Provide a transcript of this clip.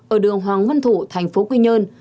ở đường hoàng văn thủ thành phố quy nhơn